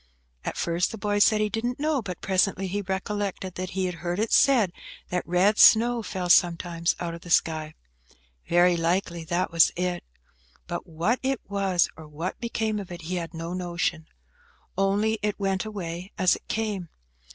At first the boy said he didn't know, but presently he recollected that he had heard it said, that red snow fell sometimes out of the sky. Very likely that was it; but what it was, or what became of it, he had no notion. Only it went away as it came.